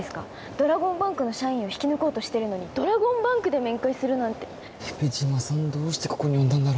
ドラゴンバンクの社員を引き抜こうとしてるのにドラゴンバンクで面会するなんて蛇島さんどうしてここに呼んだんだろ